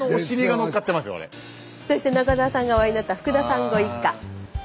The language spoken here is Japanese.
そして中澤さんがお会いになった福田さんご一家。